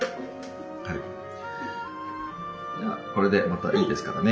これでまたいいですからね。